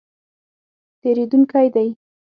تېرېدونکی دی